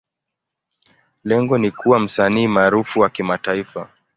Lengo ni kuwa msanii maarufu wa kimataifa.